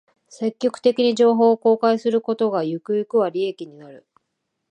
積極的に情報を公開することが、ゆくゆくは利益になる